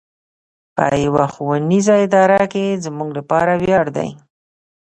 په يوه ښوونيزه اداره کې زموږ لپاره وياړ دی.